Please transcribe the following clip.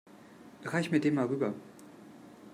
Reich mir den mal rüber.